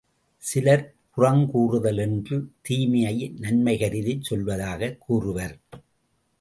சிலர் புறங்கூறுதல் என்ற தீமையை, நன்மை கருதிச் சொல்வதாகக் கூறுவர்.